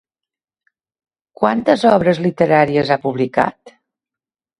Quantes obres literàries ha publicat?